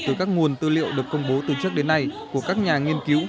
từ các nguồn tư liệu được công bố từ trước đến nay của các nhà nghiên cứu